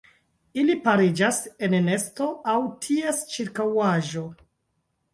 Ili pariĝas en nesto aŭ ties ĉirkaŭaĵo.